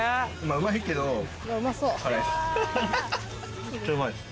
うまいけど辛いっす。